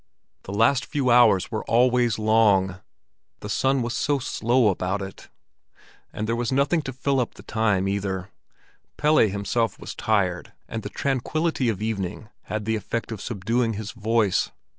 The last few hours were always long—the sun was so slow about it. And there was nothing to fill up the time either. Pelle himself was tired, and the tranquillity of evening had the effect of subduing his voice.